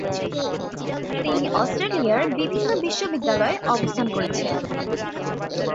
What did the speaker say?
তিনি অস্ট্রেলিয়ার বিভিন্ন বিশ্ববিদ্যালয়ে অবস্থান করেছেন।